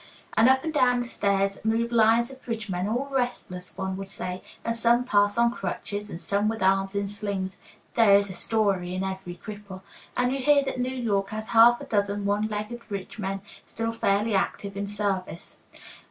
And up and down the stairs move lines of bridge men, all restless, one would say, and some pass on crutches and some with arms in slings (there is a story in every cripple), and you hear that New York has half a dozen one legged bridge men still fairly active in service.